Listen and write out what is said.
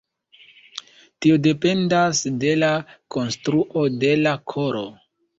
Tio dependas de la konstruo de la koro.